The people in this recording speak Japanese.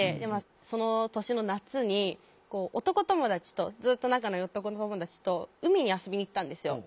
その年の夏に男友達とずっと仲のいい男友達と海に遊びに行ったんですよ。